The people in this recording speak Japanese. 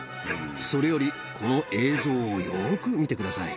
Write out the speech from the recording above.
それより、この映像をよく見てください。